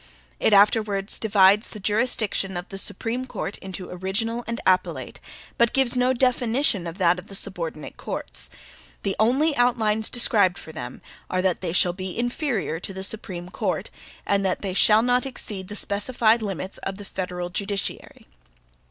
It afterwards divides the jurisdiction of the Supreme Court into original and appellate, but gives no definition of that of the subordinate courts. The only outlines described for them, are that they shall be "inferior to the Supreme Court," and that they shall not exceed the specified limits of the federal judiciary.